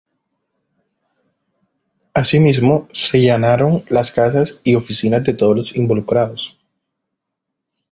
Asimismo se allanaron las casas y oficinas de todos los involucrados.